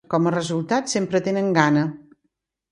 Com a resultat, sempre tenen gana.